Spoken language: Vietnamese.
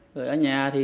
rồi ở nhà thì